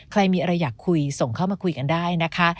ใครมีอะไรอยากคุยส่งเข้ามาคุยกันได้นะคะ